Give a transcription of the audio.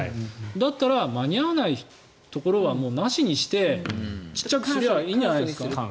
だったら間に合わないところはなしにして小さくすればいいんじゃないですか？